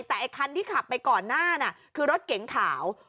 แต่ไอ้คันที่ขับไปก่อนหน้าน่ะคือรถเก๋งขาว